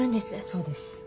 そうです。